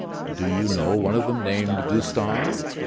"Do you know one of them named Gustave?"